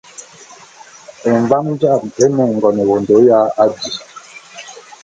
Emvám jām é ne ngon ewondo ya abi.